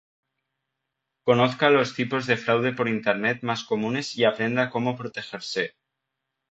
Conozca los tipos de fraude por internet más comunes y aprenda cómo protegerse.